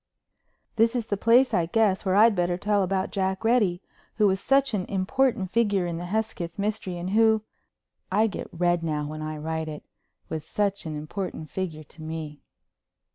This is the place, I guess, where I'd better tell about Jack Reddy, who was such an important figure in the Hesketh mystery and who—I get red now when I write it—was such an important figure to me.